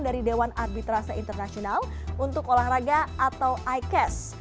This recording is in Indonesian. dari dewan arbitrase internasional untuk olahraga atau icas